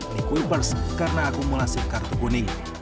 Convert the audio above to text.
nick weepers karena akumulasi kartu kuning